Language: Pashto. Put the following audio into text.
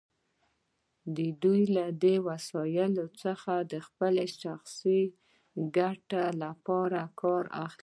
دوی له دې وسایلو څخه د خپلو شخصي ګټو لپاره کار اخلي.